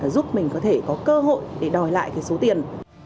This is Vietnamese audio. giúp mình có thể có cơ hội để đòi lại số tiền